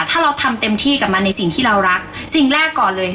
ถ้าเราทำเต็มที่กับมันในสิ่งที่เรารักสิ่งแรกก่อนเลย